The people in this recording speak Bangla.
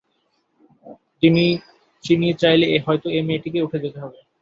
চিনি চাইলে হয়তো এ-মেয়েটিকেই উঠে যেতে হবে।